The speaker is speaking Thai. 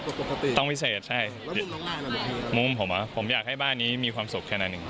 เขาภูมิใจมากใช่ต้องพิเศษใช่มุมผมว่าผมอยากให้บ้านนี้มีความสุขแค่นั้นหนึ่ง